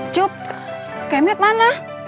cup kemet mana